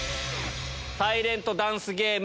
「サイレントダンスゲーム！」